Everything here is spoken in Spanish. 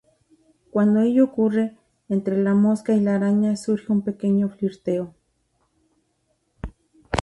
Cuando ello ocurre, entre la mosca y la araña surge un pequeño flirteo.